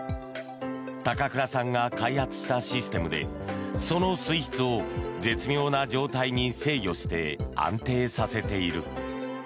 高倉さんが開発したシステムでその水質を絶妙な状態に制御して安定させている。